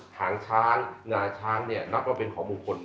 หางช้างงาช้างเนี่ยนับว่าเป็นของมงคล